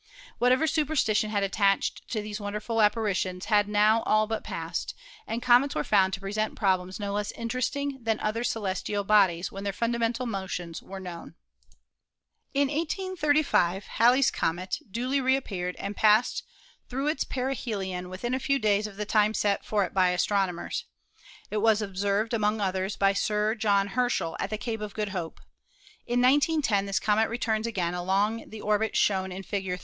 What ever superstition had attached to these wonderful appa ritions had now all but passed, and comets were found to present problems no less interesting than other celestial "bodies when their fundamental motions were known. In 1835 Halley's comet duly reappeared and passed through its perihelion within a few days of the time set for it by astronomers. It was observed, among others, by Sir John Herschel at the Cape of Good Hope. In 1910 this comet returns again along the orbit shown in Fig.